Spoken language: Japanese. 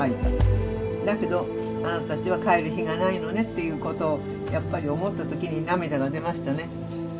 だけどあなたたちは帰る日がないのねっていうことをやっぱり思った時に涙が出ましたね。